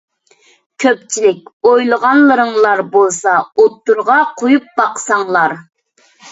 كۆپچىلىك ئويلىغانلىرىڭلار بولسا ئوتتۇرىغا قويۇپ باقساڭلار!